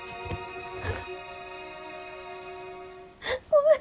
ごめん。